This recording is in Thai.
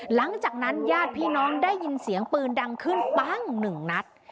หลังจากนั้นญาติพี่น้องได้ยินเสียงปืนดังขึ้นปั้งหนึ่งนัด